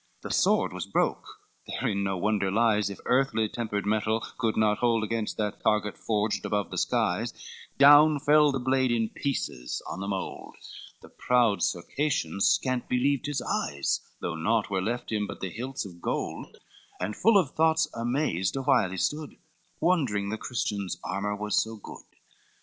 XCIII The sword was broke, therein no wonder lies If earthly tempered metal could not hold Against that target forged above the skies, Down fell the blade in pieces on the mould; The proud Circassian scant believed his eyes, Though naught were left him but the hilts of gold, And full of thoughts amazed awhile he stood, Wondering the Christian's armor was so good.